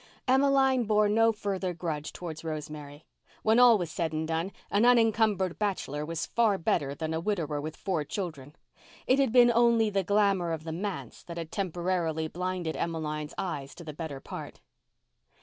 Emmeline bore no further grudge towards Rosemary. When all was said and done, an unencumbered bachelor was far better than a widower with four children. It had been only the glamour of the manse that had temporarily blinded Emmeline's eyes to the better part.